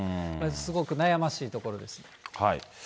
すごく悩ましいところです。